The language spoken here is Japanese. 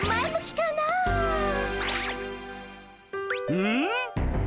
うん？